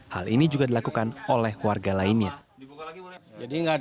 hal ini juga dilakukan oleh warga lainnya